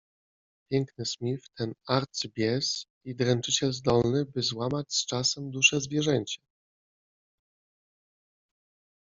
Piękny Smith, ten arcy-bies i dręczyciel zdolny był złamać z czasem duszę zwierzęcia;